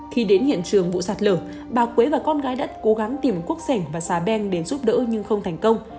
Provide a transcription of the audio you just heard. khi đến hiện trường vụ sạt lở bà quế và con gái đã cố gắng tìm quốc sảnh và xà beng để giúp đỡ nhưng không thành công